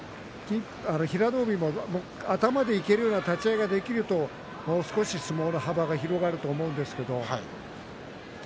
平戸海も、頭でいけるような立ち合いができるともう少し相撲の幅が広がると思うんですけど。